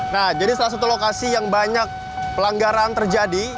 nah jadi salah satu lokasi yang banyak pelanggaran terjadi